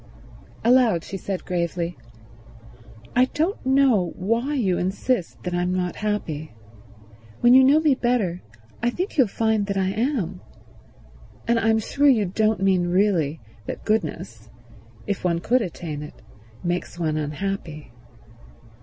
Aloud she said gravely, "I don't know why you insist that I'm not happy. When you know me better I think you'll find that I am. And I'm sure you don't mean really that goodness, if one could attain it, makes one unhappy."